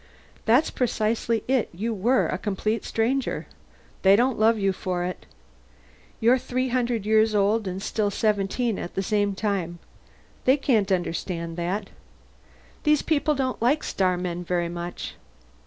"That's precisely it you were a complete stranger. They don't love you for it. You're 300 years old and still 17 at the same time. They can't understand that. These people don't like starmen very much.